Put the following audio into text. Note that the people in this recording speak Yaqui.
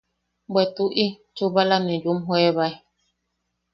–Bwe tuʼi, chubala ne yumjoebae.